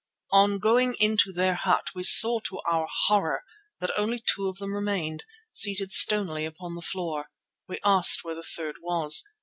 On going into their hut we saw to our horror that only two of them remained, seated stonily upon the floor. We asked where the third was.